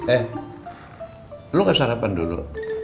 eh lu gak sarapan dulu